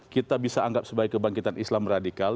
kita bisa anggap sebagai kebangkitan islam radikal